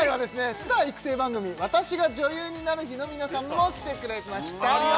スター育成番組「私が女優になる日」の皆さんも来てくれました